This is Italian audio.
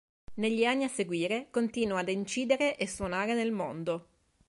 Negli anni a seguire continua ad incidere e suonare nel mondo.